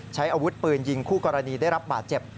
ใช้อาวุธปืนยิงคู่กรณีได้รับบาดเจ็บ